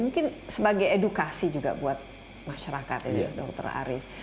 mungkin sebagai edukasi juga buat masyarakat ini dokter aris